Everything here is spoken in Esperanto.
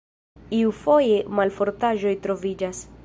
Iufoje malfortaĵoj troviĝas.